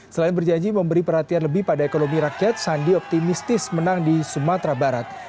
selain berjanji memberi perhatian lebih pada ekonomi rakyat sandi optimistis menang di sumatera barat